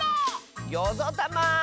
「よぞたま」！